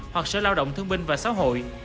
hoặc sở lao động thương binh và xã hội